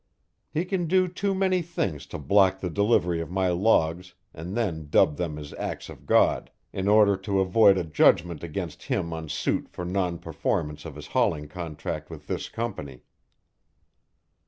He can do too many things to block the delivery of my logs and then dub them acts of God, in order to avoid a judgment against him on suit for non performance of his hauling contract with this company."